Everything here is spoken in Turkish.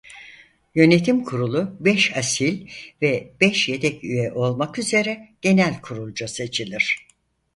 Yönetim Kurulu beş asil ve beş yedek üye olmak üzere Genel Kurulca seçilir.